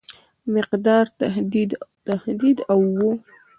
مقدار تهدیداوه.